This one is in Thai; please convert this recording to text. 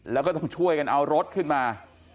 แล้วก็ต้องช่วยกันเอารถขึ้นมา